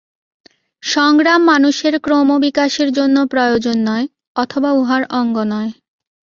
সংগ্রাম মানুষের ক্রমবিকাশের জন্য প্রয়োজন নয়, অথবা উহার অঙ্গ নয়।